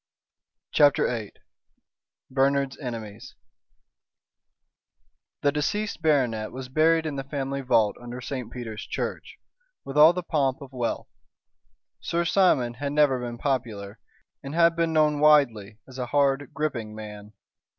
CHAPTER VIII BERNARD'S ENEMIES The deceased baronet was buried in the family vault under St. Peter's Church, with all the pomp of wealth. Sir Simon had never been popular, and had been known widely as a hard, gripping man.